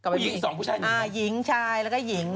ผู้หญิงสองผู้ชายหนึ่งเหรอคะอ่าหญิงชายแล้วก็หญิง